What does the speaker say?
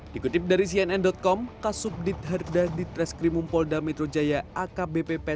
dikutip dari cnn com kasub dit harda ditreskrimumpolda metro jaya akbp petrojaya